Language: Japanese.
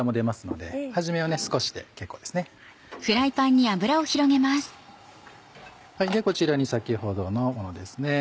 ではこちらに先ほどのものですね。